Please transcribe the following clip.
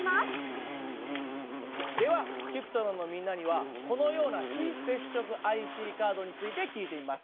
ではＣｕｐｉｔｒｏｎのみんなにはこのような非接触ＩＣカードについて聞いてみます。